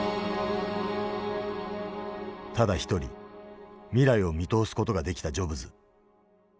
ただ一人未来を見通す事ができたジョブズ。